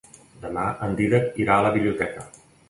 Demà en Dídac irà a la biblioteca.